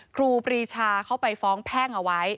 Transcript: ครูปรีชาเขาไปฟ้องแพ่งเอาไว้